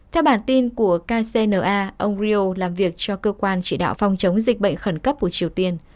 theo bản tin của kcna ông rio làm việc cho cơ quan chỉ đạo phòng chống dịch bệnh khẩn cấp của triều tiên